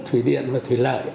thủy điện và thủy lợi